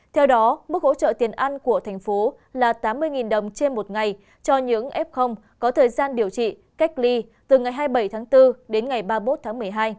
theo đó mức hỗ trợ tiền ăn của thành phố là tám mươi đồng trên một ngày cho những f có thời gian điều trị cách ly từ ngày hai mươi bảy tháng bốn đến ngày ba mươi một tháng một mươi hai